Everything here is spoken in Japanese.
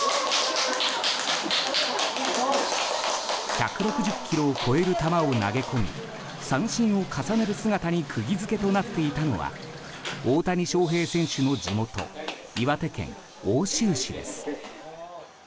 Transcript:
１６０キロを超える球を投げ込み三振を重ねる姿に釘付けとなっていたのは大谷翔平選手の地元岩手県奥州市です。